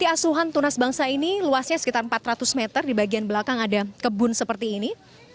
di asuhan tunas bangsa ini luasnya sekitar empat ratus meter di bagian belakang ada kebun seperti ini